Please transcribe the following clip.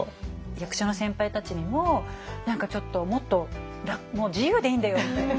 役者の先輩たちにも何かちょっともっと自由でいいんだよみたいな。